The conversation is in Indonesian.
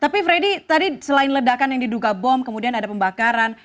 tapi freddy tadi selain ledakan yang diduga bom kemudian ada pembakaran